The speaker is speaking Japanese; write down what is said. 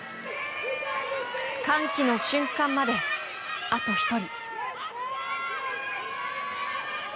歓喜の瞬間まで、あと１人。